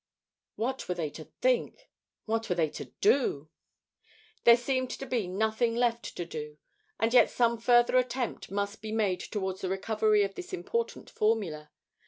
What were they to think? What were they to do? There seemed to be nothing left to do, and yet some further attempt must be made towards the recovery of this important formula.